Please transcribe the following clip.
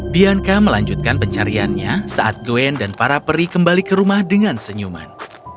bianka melanjutkan pencariannya saat gwen dan para peri kembali ke rumah dengan senyuman